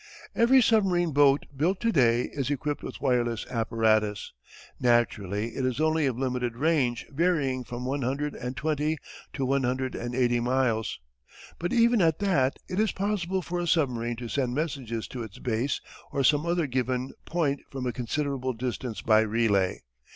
Every submarine boat built to day is equipped with wireless apparatus. Naturally it is only of limited range varying from one hundred and twenty to one hundred and eighty miles, but even at that it is possible for a submarine to send messages to its base or some other given point from a considerable distance by relay.